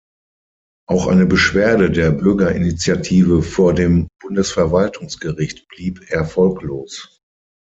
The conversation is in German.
Auch eine Beschwerde der Bürgerinitiative vor dem Bundesverwaltungsgericht blieb erfolglos.